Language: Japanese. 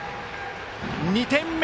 ２点目！